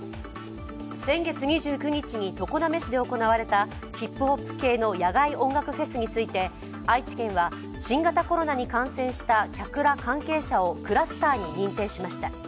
先月２９日に常滑市で行われたヒップホップ系の野外音楽フェスについて愛知県は新型コロナに感染した客や関係者をクラスターに認定しました。